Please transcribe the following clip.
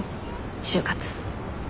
就活。